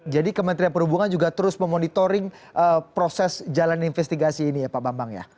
jadi kementerian perhubungan juga terus memonitoring proses jalan investigasi ini ya pak bambang ya